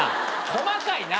細かいな。